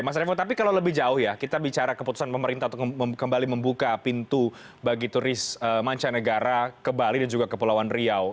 mas revo tapi kalau lebih jauh ya kita bicara keputusan pemerintah untuk kembali membuka pintu bagi turis mancanegara ke bali dan juga kepulauan riau